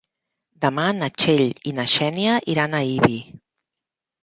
Demà na Txell i na Xènia iran a Ibi.